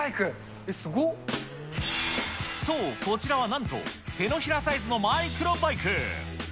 そう、こちらは、なんと手のひらサイズのマイクロバイク。